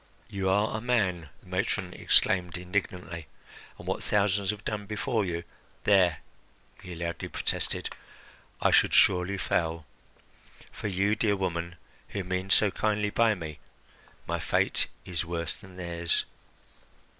"You are a man," the matron exclaimed indignantly, "and what thousands have done before you " "There," he loudly protested, "I should surely fail; for, you dear woman, who mean so kindly by me, my fate is worse than theirs.